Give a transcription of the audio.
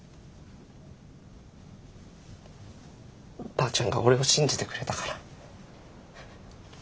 ばあちゃんが俺を信じてくれたから。